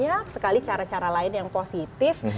banyak sekali cara cara lain yang positif